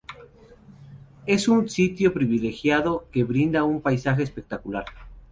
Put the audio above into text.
Es un sitio privilegiado que brinda un paisaje espectacular.